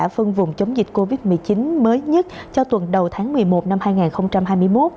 phương vùng chống dịch covid một mươi chín mới nhất cho tuần đầu tháng một mươi một năm hai nghìn hai mươi một